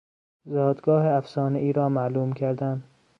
زادگاه افسانهای را معلوم کردن